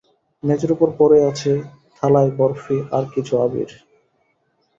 মেঝের উপর পড়ে আছে থালায় বরফি আর কিছু আবির।